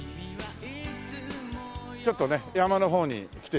ちょっとね山の方に来てしまいましたね。